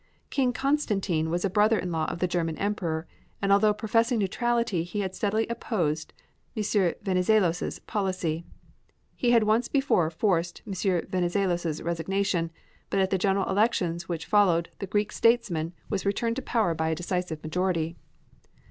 King Constantine was a brother in law of the German Emperor, and although professing neutrality he had steadily opposed M. Venizelos' policy. He had once before forced M. Venizelos' resignation, but at the general elections which followed, the Greek statesman was returned to power by a decisive majority.